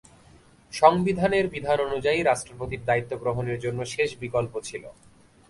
সংবিধানের বিধান অনুযায়ী রাষ্ট্রপতির দায়িত্ব গ্রহণের জন্য শেষ বিকল্প ছিল।